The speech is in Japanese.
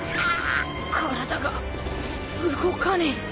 体が動かねえ。